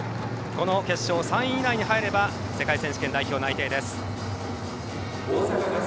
決勝、３位以内に入れば世界選手権代表内定です。